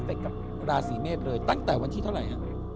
ติดกับราศีเมษเลยตั้งแต่วันที่เท่าไหร่ฮะ